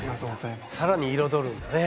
さらに彩るんだね。